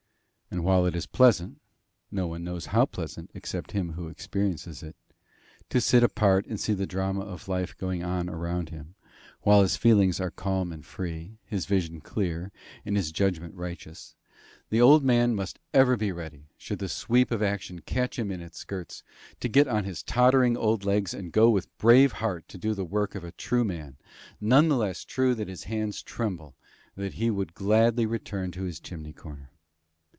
And while it is pleasant no one knows how pleasant except him who experiences it to sit apart and see the drama of life going on around him, while his feelings are calm and free, his vision clear, and his judgment righteous, the old man must ever be ready, should the sweep of action catch him in its skirts, to get on his tottering old legs, and go with brave heart to do the work of a true man, none the less true that his hands tremble, and that he would gladly return to his chimney corner.